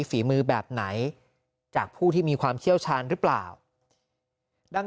ฝีมือแบบไหนจากผู้ที่มีความเชี่ยวชาญหรือเปล่าดัง